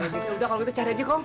ya udah kalau gitu cari aja kong